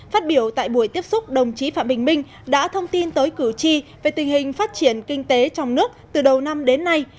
phát biểu tại buổi tiếp xúc đồng chí phạm bình minh đã thông tin tới cử tri về tình hình phát triển kinh tế trong nước từ đầu năm đến nay